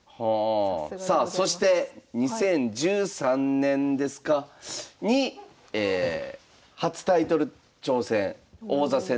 さあそして２０１３年ですかに初タイトル挑戦王座戦ですね。